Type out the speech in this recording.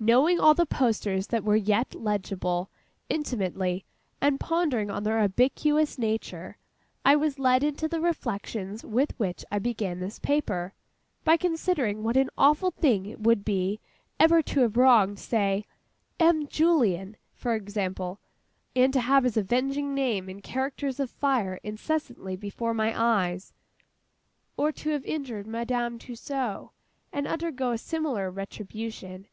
Knowing all the posters that were yet legible, intimately, and pondering on their ubiquitous nature, I was led into the reflections with which I began this paper, by considering what an awful thing it would be, ever to have wronged—say M. JULLIEN for example—and to have his avenging name in characters of fire incessantly before my eyes. Or to have injured MADAME TUSSAUD, and undergo a similar retribution.